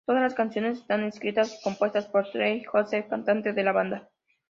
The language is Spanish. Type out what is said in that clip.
Todas las canciones están escritas y compuestas por Tyler Joseph, cantante de la banda.